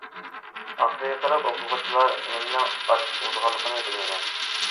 ئافرىقىلىق ئوقۇغۇچىلار نېمىنىڭ« ئاشلىق» بولىدىغانلىقىنى بىلمىگەن.